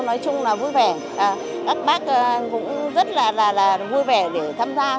nói chung là vui vẻ các bác cũng rất là vui vẻ để tham gia